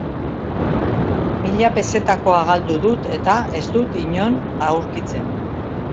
Mila pezetakoa galdu dut eta ez dut inon aurkitzen.